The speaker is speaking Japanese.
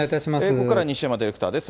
ここからは西山ディレクターです。